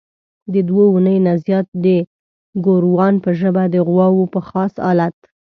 د دوو اونیو نه زیات د ګوروان په ژبه د غواوو په خاص الت.